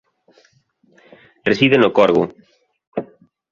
Reside no Corgo.